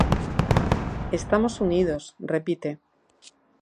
Estamos unidos, repite.